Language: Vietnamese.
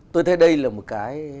tôi thấy đây là một cái